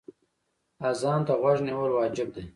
اذان ته غوږ نیول واجب دی.